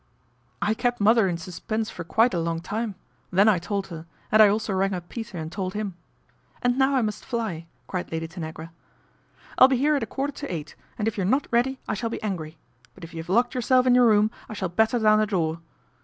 " I kept mother in suspense for quite a long time. Then I told her, and I also rang up Peter and told him. And now I must fly," cried Lady Tanagra " I will be here at a quarter to eight, and if you are not ready I shall be angry ; but' if you have locked yourself in your room I shall batter down the door.